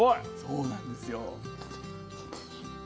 そうなんですよ。